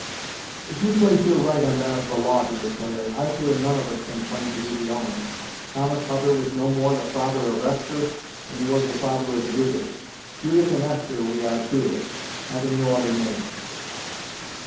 "If you place your right on that of the law, Deerslayer, I fear none of us can claim to be the owner. Thomas Hutter was no more the father of Esther, than he was the father of Judith. Judith and Esther we are truly, having no other name!"